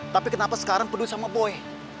tapi kenapa sekarang peduli sama boy